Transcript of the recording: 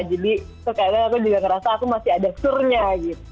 jadi terkadang aku juga ngerasa aku masih ada surnya gitu